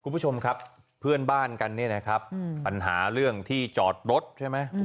คุณผู้ชมครับเพื่อนบ้านกันเนี่ยนะครับปัญหาเรื่องที่จอดรถใช่ไหม